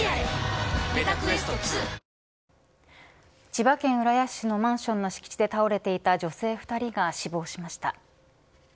千葉県浦安市のマンションの敷地で倒れていた女性２人が死亡しました。